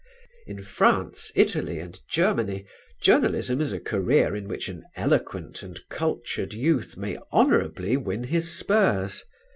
In France, Italy, and Germany journalism is a career in which an eloquent and cultured youth may honourably win his spurs.